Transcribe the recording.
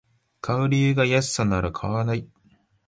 買う理由が安さなら買わない